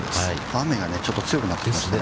雨がちょっと強くなっていますね。